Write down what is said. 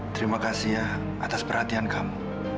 terima kasih ya atas perhatian kamu